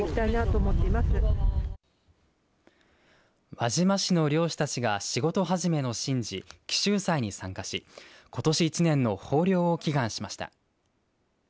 輪島市の漁師たちが仕事始めの神事起舟祭に参加しことし一年の豊漁を祈願しました。